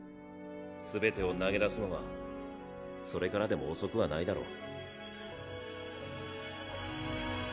全てを投げ出すのはそれからでも遅くはないだろう。